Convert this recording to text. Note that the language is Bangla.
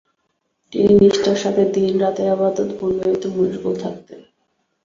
তিনি নিষ্ঠার সাথে দিনরাত এবাদত বন্দেগিতে মশগুল থাকতেন ।